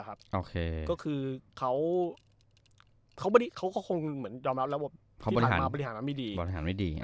ก็คือเขาก็คงเหมือนยอมรับแล้วว่าพี่บริหารไม่ดี